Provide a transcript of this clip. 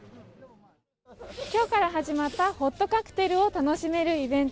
今日から始まったホットカクテルを楽しめるイベント。